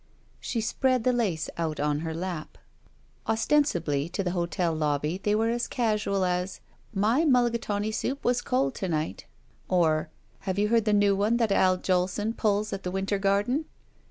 She spread the lace out on her lap. Ostensibly to the hotel lobby they were as casual as, "My mulligatawny soup was cold to night," or, "Have you heard the new one that Al Jolson pulls at the Winter Garden?"